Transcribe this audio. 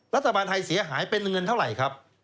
รัฐบาลไทยเสียหายเป็นเงินเท่าไหร่ครับ